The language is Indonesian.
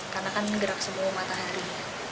karena kan gerak semua matahari